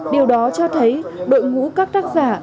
điều đó cho thấy đội ngũ các tác giả